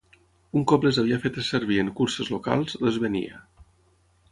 Un cop les havia fetes servir en curses locals, les venia.